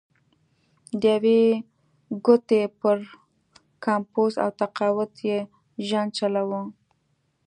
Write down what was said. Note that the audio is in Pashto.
د یوې ګوتې پر کمپوز او تقاعد یې ژوند چلوله.